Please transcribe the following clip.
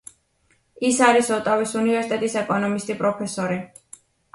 ის არის ოტავის უნივერსიტეტის ეკონომისტი პროფესორი.